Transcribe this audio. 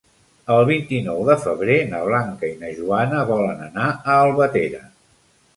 El vint-i-nou de febrer na Blanca i na Joana volen anar a Albatera.